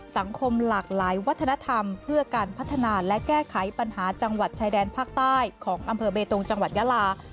สังคมหลากหลายวัฒนธรรมเพื่อการพัฒนาและแก้ไขปัญหาจังหวัดชายแดนภาคใต้ของอำเภอเบตงจังหวัดยาลา